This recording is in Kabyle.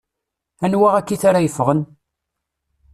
Anwa akkit ara yeffɣen?